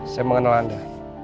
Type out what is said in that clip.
saya mengenal anda